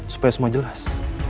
supaya semua jelas